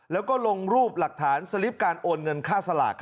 แล้วก็ลงรูปหลักฐานสลิปการโอนเงินค่าสลาก